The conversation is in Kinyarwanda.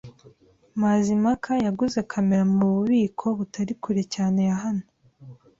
Mazimpaka yaguze kamera mububiko butari kure cyane yahano